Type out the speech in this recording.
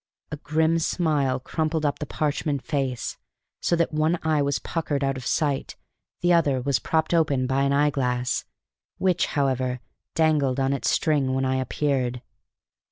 A grim smile crumpled up the parchment face, so that one eye was puckered out of sight; the other was propped open by an eyeglass, which, however, dangled on its string when I appeared.